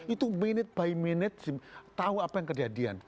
itu minute by manage tahu apa yang kejadian